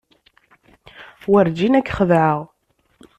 Werǧin ad k-xedɛeɣ.